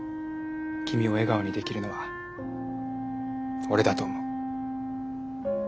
君を笑顔にできるのは俺だと思う。